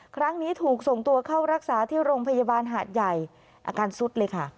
ครั้งนี้ถูกส่งตัวเข้ารักษาที่โรงพยาบาลหาดใหญ่อาการสุดเลยค่ะ